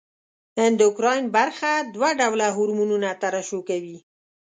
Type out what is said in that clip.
اندوکراین برخه دوه ډوله هورمونونه ترشح کوي.